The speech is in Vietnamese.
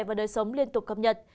và đời sống liên tục cập nhật